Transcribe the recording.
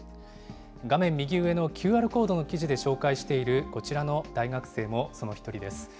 画面右上のＱＲコードの記事で紹介している、こちらの大学生もその一人です。